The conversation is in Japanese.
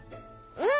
うん。